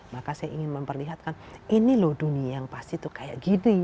maka saya ingin memperlihatkan ini loh dunia yang pasti tuh kayak gini